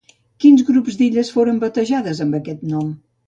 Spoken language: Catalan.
Quins grups d'illes foren batejats amb aquest nom?